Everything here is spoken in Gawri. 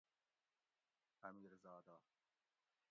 امیر زادہ